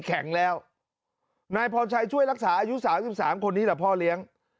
แข็งแล้วนายพรชัยช่วยรักษาอายุ๓๓คนนี้แหละพ่อเลี้ยง